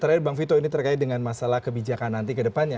terakhir bang vito ini terkait dengan masalah kebijakan nanti ke depannya